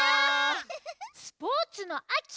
スポーツのあき！